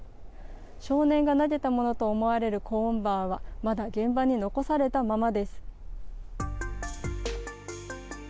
少年が投げたものと思われるコーンバーはまだ現場に残されたままです。